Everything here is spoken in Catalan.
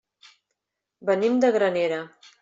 Venim de Granera.